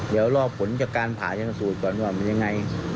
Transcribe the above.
เดี๋ยวรอผลจากการผ่าชนสูตรก่อนว่ามันยังไง